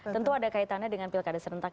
tentu ada kaitannya dengan pilkada serentak